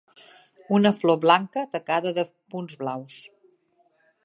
Una flor blanca tacada de punts blaus.